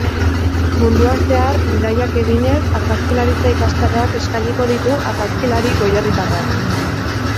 Munduan zehar bidaiak eginez, argazkilaritza ikastaroak eskainiko ditu argazkilari goierritarrak.